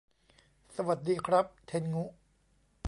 สวัสดีครับ เทนงุ !